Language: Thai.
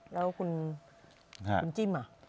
แล้วคุณจิ้มอ่ะ